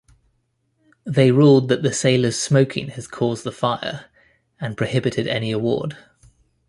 They ruled that the sailor's smoking had caused the fire and prohibited any award.